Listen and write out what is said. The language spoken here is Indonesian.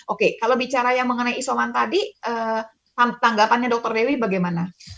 oke kalau bicara yang mengenai isoman tadi tanggapannya dr dewi bagaimana